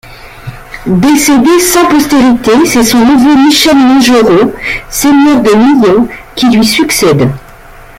Décédé sans postérité c'est son neveu Michel Mangerod, seigneur de Myon, qui lui succède.